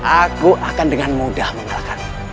aku akan dengan mudah mengalahkan